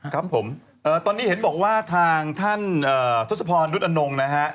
ครับผมตอนนี้เห็นบอกว่าทางท่านทศพรยุทธ์อนงนะฮะ